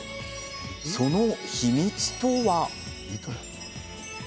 その秘密とは？